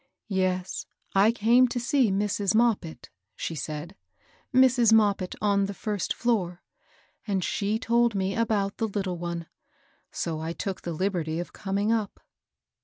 " Yes, I came to see Mrs. Moppit," she said, —" Mrs. Moppit on the first floor, and she told me about the little one ; so I took the liberty of coming up."